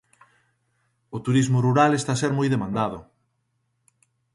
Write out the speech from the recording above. O turismo rural está a ser moi demandado.